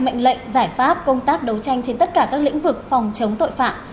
mệnh lệnh giải pháp công tác đấu tranh trên tất cả các lĩnh vực phòng chống tội phạm